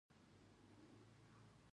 ختیځ هند کمپنۍ خپله تګلاره بدله کړه.